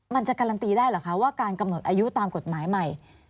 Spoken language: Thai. มันจะการันตีได้เหรอคะว่าการกำหนดอายุตามกฎหมายใหม่